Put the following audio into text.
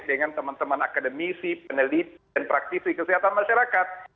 dengan teman teman akademisi peneliti dan praktisi kesehatan masyarakat